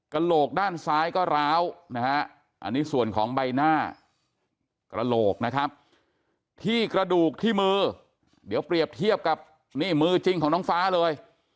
กระโหลกด้านซ้ายก็ร้าวนะฮะอันนี้ส่วนของใบหน้ากระโหลกนะครับที่กระดูกที่มือเดี๋ยวเปรียบเทียบกับนี่มือจริงของน้องฟ้าเลย